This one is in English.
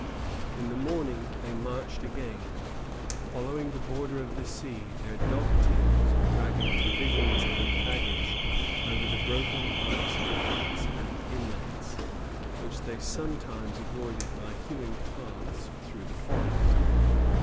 In the morning they marched again, following the border of the sea, their dog teams dragging provisions and baggage over the broken ice of creeks and inlets, which they sometimes avoided by hewing paths through the forest.